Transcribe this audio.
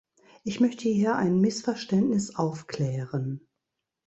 Ich möchte hier ein Missverständnis aufklären.